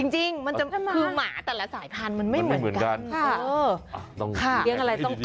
จริงคือหมาแต่ละสายพันธุ์มันไม่เหมือนกัน